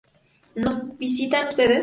¿No visitan ustedes?